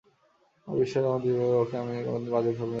আমার বিশ্বাস, আমার জীবদ্দশায় ওকে আমি কোনো দিন বাজে ফর্মে দেখব না।